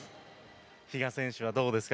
比嘉選手はどうですか？